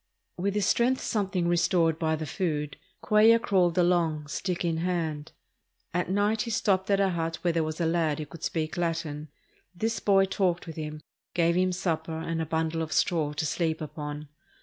With his strength something restored by the food, Cuellar crawled along, stick in hand. At night he stopped at a hut where there was a lad who could speak Latin. This boy talked with him, gave him supper and a bundle of straw to sleep upon.